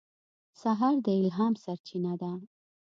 سهار د الهام سرچینه ده.